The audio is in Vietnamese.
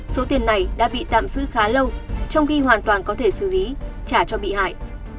số tiền này đã bị tạm giữ khá lâu trong khi hoàn toàn có thể xử lý trả cho bị hại